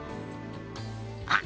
あっ！